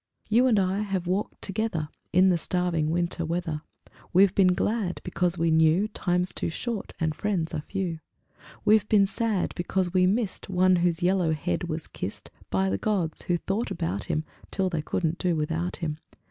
III You and I have walked together In the starving winter weather. We've been glad because we knew Time's too short and friends are few. We've been sad because we missed One whose yellow head was kissed By the gods, who thought about him Till they couldn't do without him.